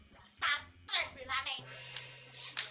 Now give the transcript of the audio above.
ya santai beranek